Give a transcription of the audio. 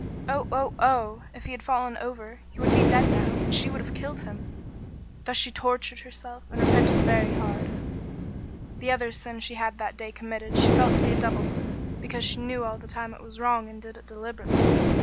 Oh, oh, oh! If he had fallen over, he would be dead now, and she would have killed him! Thus she tortured herself, and repented very hard. The other sin she had that day committed she felt to be a double sin, because she knew all the time it was wrong and did it deliberately.